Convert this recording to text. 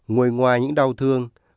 ngồi ngoài những đau thương